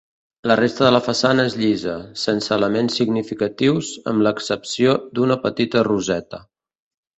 La resta de la façana és llisa, sense elements significatius amb l'excepció d'una petita roseta.